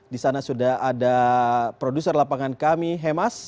di sana sudah ada produser lapangan kami hemas